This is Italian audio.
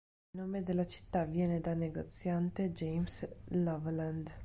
Il nome della città viene da negoziante James Loveland.